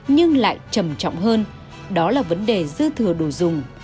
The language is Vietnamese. nhưng lại trầm trọng hơn đó là vấn đề dư thừa đồ dùng